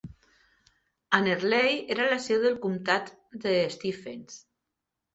Annerley era la seu del comtat de Stephens.